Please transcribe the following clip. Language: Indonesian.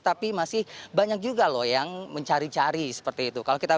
tapi masih banyak juga loh yang mencari cari seperti itu